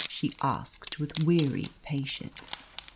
she asked, with weary patience.